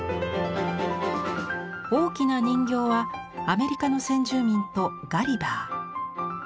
大きな人形はアメリカの先住民とガリバー。